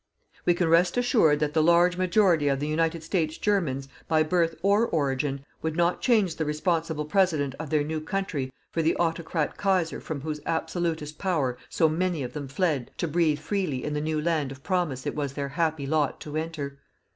We can rest assured that the large majority of the United States Germans, by birth or origin, would not change the responsible President of their new country for the autocrat Kaiser from whose absolutist power so many of them fled to breathe freely in the new land of promise it was their happy lot to enter.